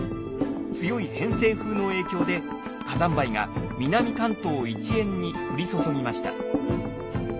強い偏西風の影響で火山灰が南関東一円に降り注ぎました。